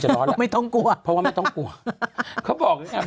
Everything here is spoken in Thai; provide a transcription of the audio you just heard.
ที่กรอดไม่ต้องกลัวเพราะว่าไม่ต้องกลัวเขาบอก